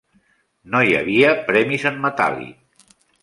No hi havia premis en metàl·lic.